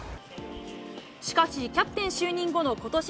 しかし、キャプテン就任後のことし